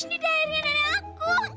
ini daerah nenek aku